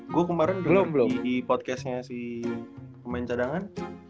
gua kemarin denger di podcastnya si pemain cadangan